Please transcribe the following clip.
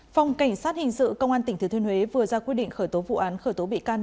phòng cảnh sát hình sự công an tỉnh thừa thiên huế vừa ra quyết định khởi tố vụ án khởi tố bị can